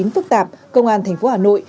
phức tạp công an thành phố hà nội